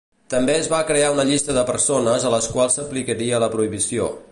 També es va crear una llista de persones a les quals s'aplicaria la prohibició.